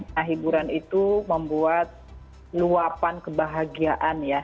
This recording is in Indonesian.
nah hiburan itu membuat luapan kebahagiaan ya